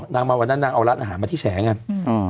มาวันนั้นนางเอาร้านอาหารมาที่แฉไง